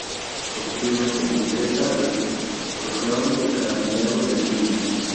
Posteriormente ingresa el Orfeón de Carabineros de Chile.